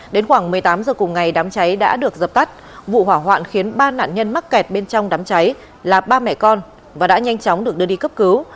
đến khoảng một mươi tám h cùng ngày đám cháy đã được dập tắt vụ hỏa hoạn khiến ba nạn nhân mắc kẹt bên trong đám cháy là ba mẹ con và đã nhanh chóng được đưa đi cấp cứu